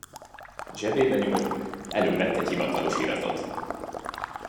Zsebébe nyúlt, elővett egy hivatalos iratot.